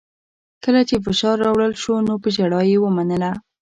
کله چې فشار راوړل شو نو په ژړا یې ومنله